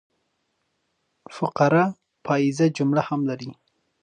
فقره پاییزه جمله هم لري.